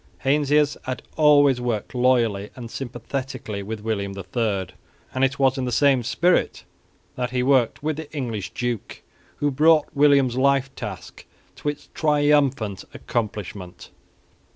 Heinsius had always worked loyally and sympathetically with William III; and it was in the same spirit that he worked with the English duke, who brought William's life task to its triumphant accomplishment.